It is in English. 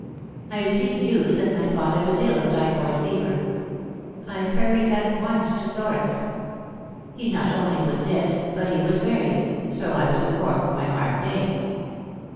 I received news that my father was ill of typhoid fever. I hurried at once to Florence. He not only was dead, but he was buried, so I was informed by Mark Dane."